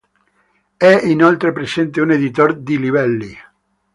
È inoltre presente un editor di livelli.